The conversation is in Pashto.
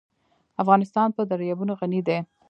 افغانستان په دریابونه غني دی.